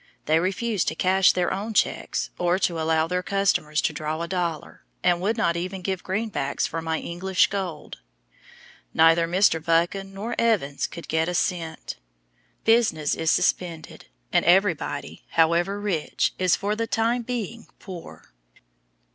They refuse to cash their own checks, or to allow their customers to draw a dollar, and would not even give green backs for my English gold! Neither Mr. Buchan nor Evans could get a cent. Business is suspended, and everybody, however rich, is for the time being poor.